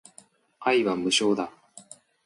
愛は無償だ